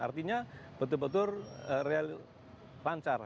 artinya betul betul real lancar